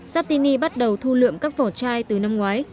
saptini bắt đầu thu lượm các vỏ chai từ năm ngoái